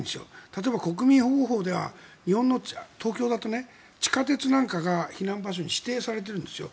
例えば国民保護法では日本の東京だと地下鉄なんかが避難場所に指定されているんですよ。